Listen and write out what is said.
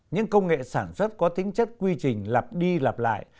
những công nghệ sản xuất có tính chất quy trình lặp đi lặp lại